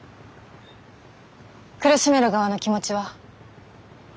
苦しめる側の気持ちは？